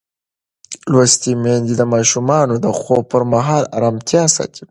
لوستې میندې د ماشومانو د خوب پر مهال ارامتیا ساتي.